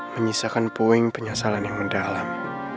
menyisakan puing penyasalan yang mendalam